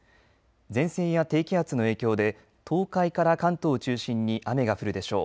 前線や低気圧の影響で東海から関東を中心に雨が降るでしょう。